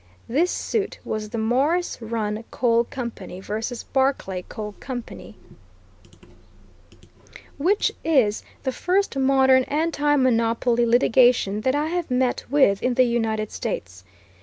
This suit was the Morris Run Coal Company v. Barclay Coal Company, which is the first modern anti monopoly litigation that I have met with in the United States.